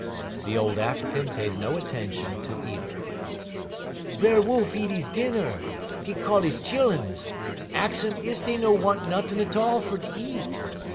The old African paid no attention to either. "B'er Wolf eat 'e dinner; 'e call 'e chilluns, 'e ahx um is dey no want nuttin' 't all fer eat.